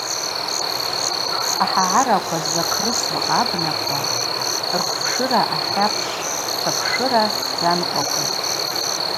Ахӏагӏараква злахърысу абнаква рквпшыра ахьапщ чвапшыра йанкъвакъвитӏ.